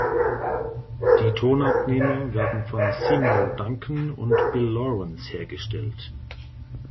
Die Tonabnehmer werden von Seymour Duncan und Bill Lawrence hergestellt.